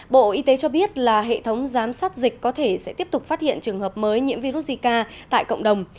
bộ y tế cho biết là hệ thống giám sát dịch có thể sẽ tiếp tục phát hiện trường hợp mới nhiễm virus zika tại cộng đồng